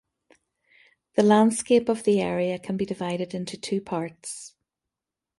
The landscape of the area can be divided into two parts.